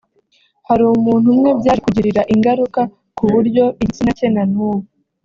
Hari umuntu umwe byaje kugirira ingaruka kuburyo igitsina cye na n’ubu